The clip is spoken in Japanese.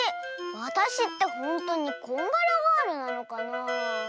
わたしってほんとにこんがらガールなのかなあ。